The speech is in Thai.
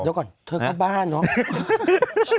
เดี๋ยวก่อนเธอเข้าบ้านเนอะ